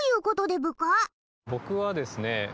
僕はですね